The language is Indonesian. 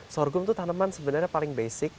sorghum itu tanaman sebenarnya paling basic